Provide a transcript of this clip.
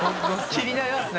気になりますね。